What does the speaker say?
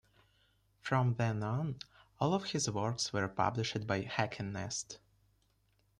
From then on, all of his works were published by Heckenast.